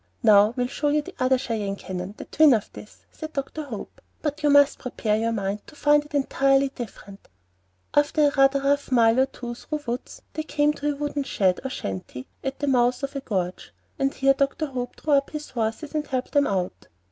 "Now we will show you the other Cheyenne Canyon, the twin of this," said Dr. Hope; "but you must prepare your mind to find it entirely different." After rather a rough mile or two through woods, they came to a wooden shed, or shanty, at the mouth of a gorge, and here Dr. Hope drew up his horses, and helped them all out.